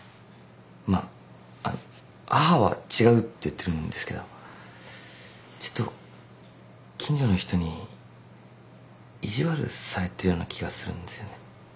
まああの母は違うって言ってるんですけどちょっと近所の人に意地悪されてるような気がするんですよね。